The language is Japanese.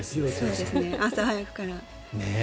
朝早くから。